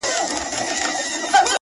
خو وخته لا مړ سوى دی ژوندى نـه دی؛